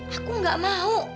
aku gak mau